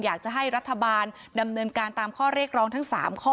อยากจะให้รัฐบาลดำเนินการตามข้อเรียกร้องทั้ง๓ข้อ